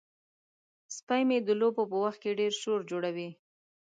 سپی مې د لوبو په وخت کې ډیر شور جوړوي.